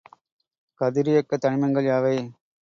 கதிரியக்கத் தனிமங்கள் யாவை?